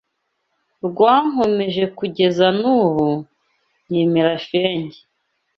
rwankomeje kugeza n’ubu nyemera shenge